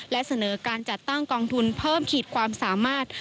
และเสนอการจัดตั้งกองทุนเพิ่มขีดความสามารถ